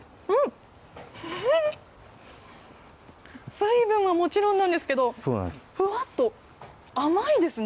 水分はもちろんなんですけど、ふわっと、甘いですね。